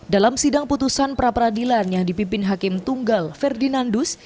dalam sidang putusan pra peradilan yang dipimpin hakim tunggal ferdinandus